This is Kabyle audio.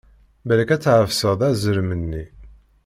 Balak ad tɛefseḍ azrem-nni!